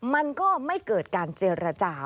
มันก็ไม่เกิดการเจรจา